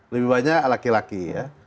lebih banyak laki laki ya